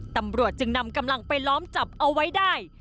ตำรวจจึงนำกำลังไปล้อมจับเอาไว้ได้